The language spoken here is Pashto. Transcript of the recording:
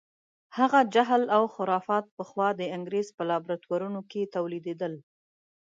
هغه جهل او خرافات پخوا د انګریز په لابراتوارونو کې تولیدېدل.